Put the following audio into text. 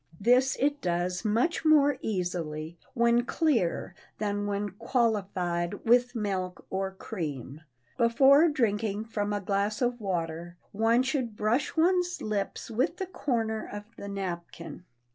This it does much more easily when clear than when "qualified" with milk or cream. Before drinking from a glass of water one should brush one's lips with the corner of the napkin.